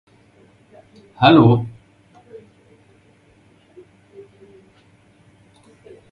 He was also known as a poet and playwright.